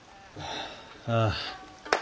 ああ。